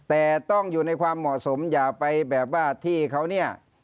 แต่ต้องอยู่ในความเหมาะสมอย่าไปแบบว่าที่เขาเนี่ย